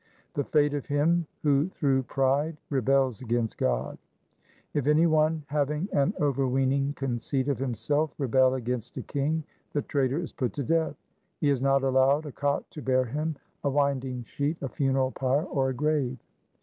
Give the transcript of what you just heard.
1 The fate of him who through pride rebels against God :— If any one, having an overweening conceit of himself, rebel against a king, the traitor is put to death. He is not allowed a cot to bear him, a winding sheet, a funeral pyre, or a grave.